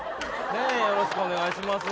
よろしくお願いします。